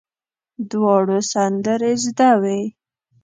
دواړو سندرې زده وې.